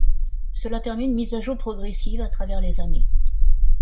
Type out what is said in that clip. Cela permet une mise à jour progressive à travers les années.